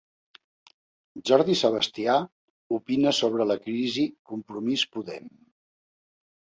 Jordi Sebastià opina sobre la crisi Compromís-Podem